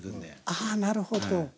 ああなるほど。